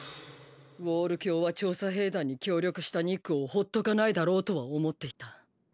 ウォール教は調査兵団に協力したニックをほっとかないだろうとは思っていた。